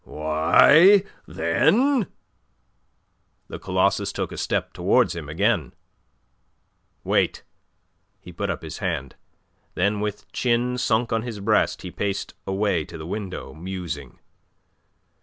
"Why, then...?" The Colossus took a step towards him again. "Wait!" He put up his hand. Then with chin sunk on his breast, he paced away to the window, musing.